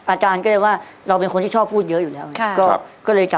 อาจารย์ก็ได้ว่า